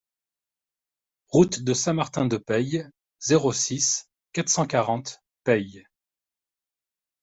Route de Saint-Martin de Peille, zéro six, quatre cent quarante Peille